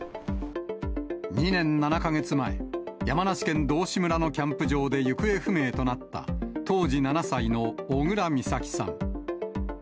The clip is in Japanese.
２年７か月前、山梨県道志村のキャンプ場で行方不明となった当時７歳の小倉美咲さん。